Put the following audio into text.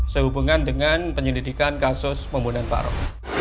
sehubungan dengan penyelidikan kasus pembunuhan parok